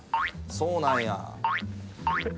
そうなんや。